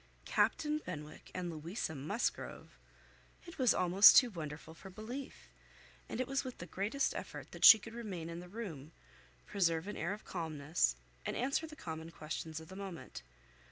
Captain Benwick and Louisa Musgrove! It was almost too wonderful for belief, and it was with the greatest effort that she could remain in the room, preserve an air of calmness, and answer the common questions of the moment.